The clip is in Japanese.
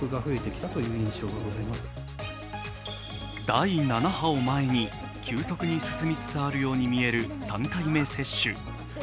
第７波を前に急速に進みつつあるように見える３回目接種。